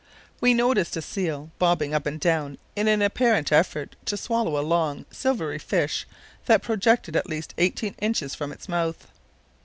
We noticed a seal bobbing up and down in an apparent effort to swallow a long silvery fish that projected at least eighteen inches from its mouth.